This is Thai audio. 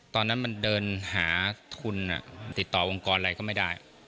ตอนนั้นมันเดินหาทุนติดต่อองค์กรอะไรก็ไม่ได้